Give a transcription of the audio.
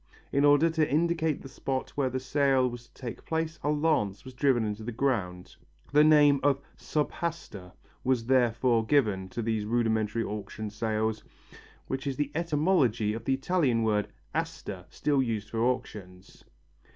In order to indicate the spot where the sale was to take place a lance was driven into the ground. The name of sub hasta was therefore given to these rudimentary auction sales, which is the etymology of the Italian word asta, still used for auctions.